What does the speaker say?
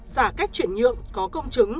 giả cách chuyển nhuận có công chứng